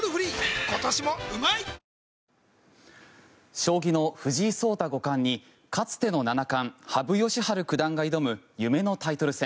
将棋の藤井聡太五冠にかつての七冠羽生善治九段が挑む夢のタイトル戦。